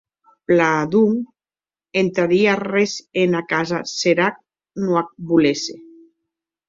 Plan, donc, entrarie arrés ena casa s’era non ac volesse?